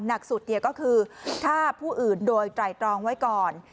หนักสุดก็คือฆ่าผู้อื่นโดยไตรตรองไว้ก่อน